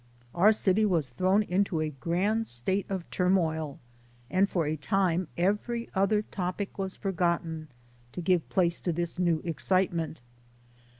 Our city was thrown into a grand state of turmoil, and for a time every other topic was forgotten, to give place to this new excitement.